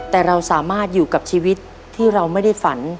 แต่เราสามารถอยู่กับชีวิตที่เราไม่ได้ฝัน